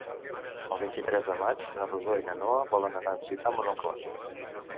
El vint-i-tres de maig na Rosó i na Noa volen anar a visitar mon oncle.